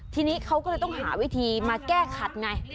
ทีนี้เขาก็เลยต้องหาวิธีมาแก้ขัดไง